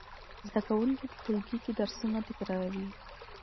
زده کوونکي په ټولګي کې درسونه تکراروي.